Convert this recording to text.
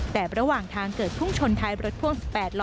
แต่ระหว่างทางเกิดพุ่งชนท้ายรถพ่วง๑๘ล้อ